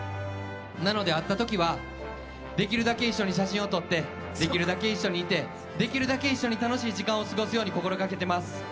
なので、会った時はできるだけ一緒に写真を撮ってできるだけ一緒にいてできるだけ一緒に楽しい時間を過ごすよう心がけています。